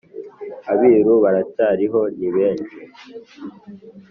Abiru baracyariho ni benshi